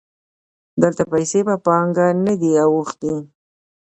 دلته پیسې په پانګه نه دي اوښتي